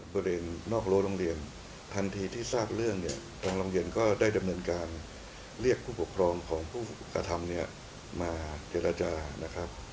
บริเวณนอกรั้วโรงเรียนทันทีที่ทราบเรื่องเนี่ยทางโรงเรียนก็ได้ดำเนินการเรียกผู้ปกครองของผู้กระทำเนี่ยมาเจรจานะครับ